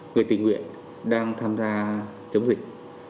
người tình nguyện đang tham gia chống dịch